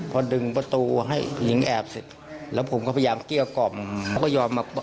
พอดึงประตูให้หญิงแอบเสร็จแล้วผมก็พยายามเกลี้ยกล่อมเขาก็ยอมมา